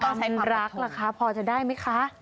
ก็ต้องใช้ความรักแหละคะพอจะได้ไหมคะ